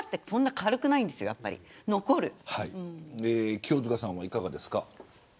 清塚さんはいかがですか。